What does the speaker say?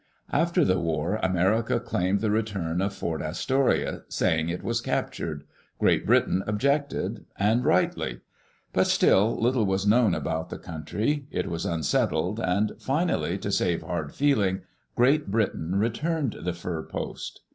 After the war, America claimed the return of Fort Astoria, saying it was captured. Great Britain objected, and rightly. But still, little was known about the country; it was unsettled, and finally, to save hard feeling. Great Britain returned the fur post.